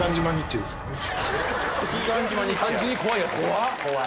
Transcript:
単純に怖いやつ！